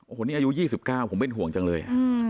โอ้โหนี่อายุ๒๙ผมเป็นห่วงจังเลย